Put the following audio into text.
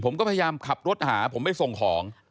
ผมก็พยายามขับรถหาผมไปส่งของ